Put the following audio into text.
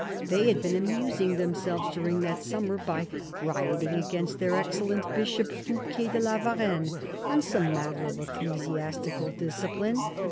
They had been amusing themselves during that summer by rioting against their excellent i)ishop, Fouquet de la Varenne, on some matter of ecclesiastical discipline.